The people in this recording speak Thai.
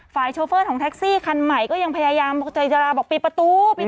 โชเฟอร์ของแท็กซี่คันใหม่ก็ยังพยายามใจจราบอกปิดประตูปิด